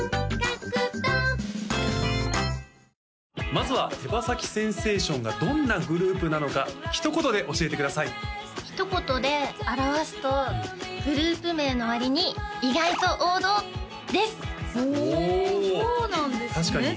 まずは手羽先センセーションがどんなグループなのかひと言で教えてくださいひと言で表すとグループ名の割に意外と王道ですおおそうなんですね